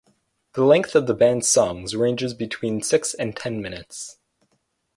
The length of the bands songs ranges between six and ten minutes.